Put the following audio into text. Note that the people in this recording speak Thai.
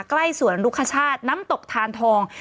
ใกล้สวนรุคชาติน้ำตกทานทอง